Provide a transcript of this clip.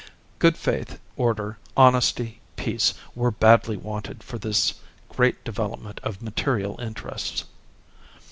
Good faith, order, honesty, peace, were badly wanted for this great development of material interests.